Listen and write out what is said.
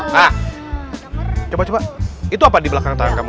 nah coba coba itu apa di belakang tangan kamu